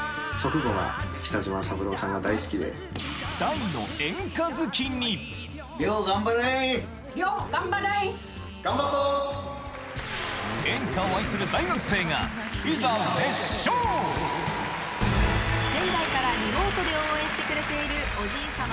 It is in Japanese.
大の演歌好きに演歌を愛する大学生が仙台からリモートで応援してくれているおじいさま